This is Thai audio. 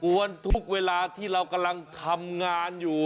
วนทุกเวลาที่เรากำลังทำงานอยู่